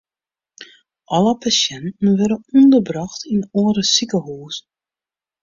Alle pasjinten wurde ûnderbrocht yn oare sikehuzen.